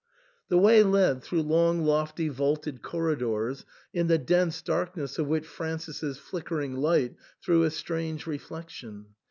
The way led through long lofty vaulted corridors, in the dense darkness of which Francis's flickering light threw a strange reflection.